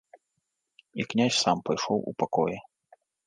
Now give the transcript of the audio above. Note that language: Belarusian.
І князь сам пайшоў у пакоі.